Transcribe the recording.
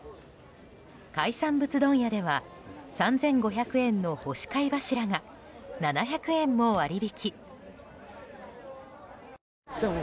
海産物問屋では３５００円の干し貝柱が７００円も割引。